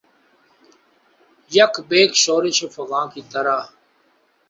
یک بیک شورش فغاں کی طرح